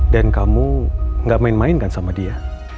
dan kamu gak main main kan sama dia